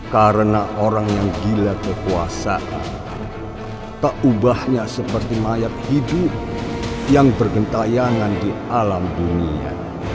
karena orang yang gila kekuasaan tak ubahnya seperti mayat hidup yang bergentayangan di alam dunia